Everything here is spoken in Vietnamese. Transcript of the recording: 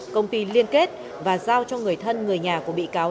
công ty liên kết và giao cho người thân người nhà của bị cáo